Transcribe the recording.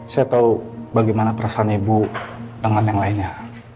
saya tahu bagaimana perasaan ibu dengan yang lainnya